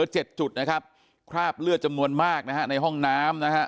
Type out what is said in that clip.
เจ็ดจุดนะครับคราบเลือดจำนวนมากนะฮะในห้องน้ำนะฮะ